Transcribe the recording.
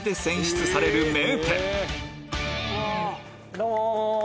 どうも！